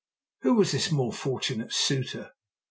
Who was this more fortunate suitor?